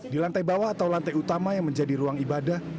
di lantai bawah atau lantai utama yang menjadi ruang ibadah